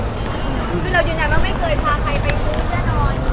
คือเรายืนยันว่าไม่เคยพาใครไปดูแน่นอน